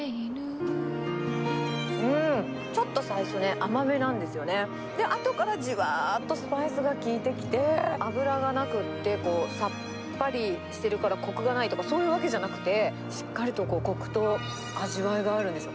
ちょっと最初ね、甘めなんですよね、で、あとからじわーっとスパイスが効いてきて、油がなくってさっぱりしてるからこくがないとかそういうわけじゃなくて、しっかりとこくと味わいがあるんですよ。